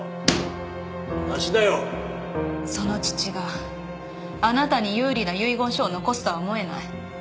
その父があなたに有利な遺言書を残すとは思えない。